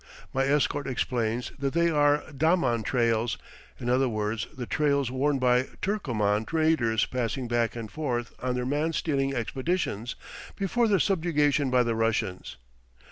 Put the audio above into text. My escort explains that they are daman trails, in other words the trails worn by Turkoman raiders passing back and forth on their man stealing expeditions, before their subjugation by the Russians.